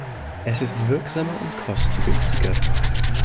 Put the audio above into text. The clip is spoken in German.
Es ist wirksamer und kostengünstiger.